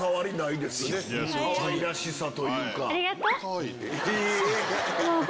かわいらしさというか。